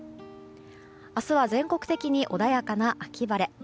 明日は全国的に穏やかな秋晴れ。